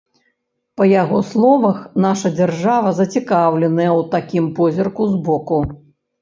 Па яго словах, наша дзяржава зацікаўленая ў такім позірку збоку.